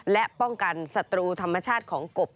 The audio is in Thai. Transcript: และป้องกันศัตรูธรรมชาติของกบ